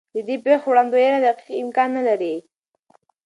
د دې پېښو وړاندوینه دقیق امکان نه لري.